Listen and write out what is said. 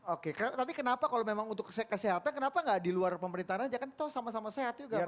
oke tapi kenapa kalau memang untuk kesehatan kenapa nggak di luar pemerintahan aja kan toh sama sama sehat juga